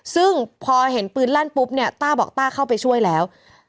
ซึ่งพอเห็นปืนลั่นปุ๊บเนี่ยต้าบอกต้าเข้าไปช่วยแล้ว